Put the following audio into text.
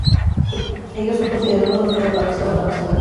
Ellos son considerados los ancestros de toda la raza humana.